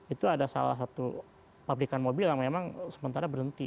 itu ada salah satu pabrikan mobil yang memang sementara berhenti